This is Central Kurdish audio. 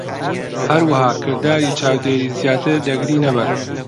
هەروەها، کرداری چاودێری زیاتر دەگرینە بەر.